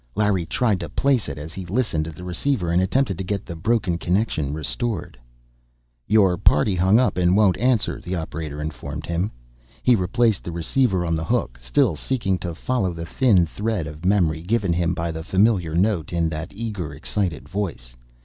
Larry tried to place it, as he listened at the receiver and attempted to get the broken connection restored. "Your party hung up, and won't answer," the operator informed him. He replaced the receiver on the hook, still seeking to follow the thin thread of memory given him by the familiar note in that eager excited voice.